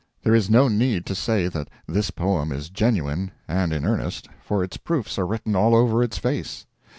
There is no need to say that this poem is genuine and in earnest, for its proofs are written all over its face.